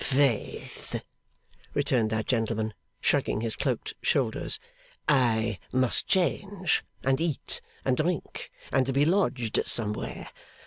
'Faith!' returned that gentleman, shrugging his cloaked shoulders, 'I must change, and eat and drink, and be lodged somewhere.